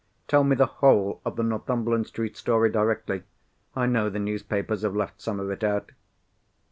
Tell me the whole of the Northumberland Street story directly. I know the newspapers have left some of it out."